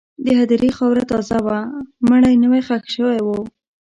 د هدیرې خاوره تازه وه، مړی نوی ښخ شوی و.